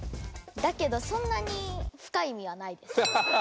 だけどそんなにふかいいみはないです。